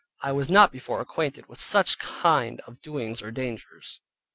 I was not before acquainted with such kind of doings or dangers.